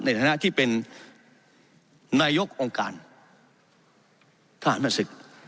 ในฐานะที่เป็นนายกองค์การทหารศึก